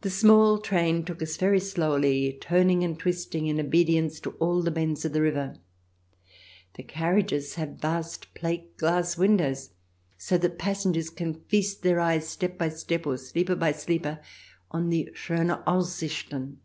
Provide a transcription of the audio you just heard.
The small train took us very slowly, turning and twisting in obedience to all the bends of the river. The carriages have vast plate glass windows, so CH. XXI] "TAKE US THE LITTLE FOXES" 303 that passengers can feast their eyes step by step, or sleeper by sleeper, on the " schoener Aussichten."